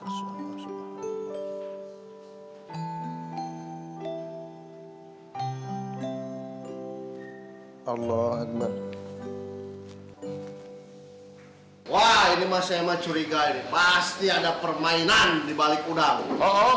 wah ini masih emang curiga ini pasti ada permainan di balik kudang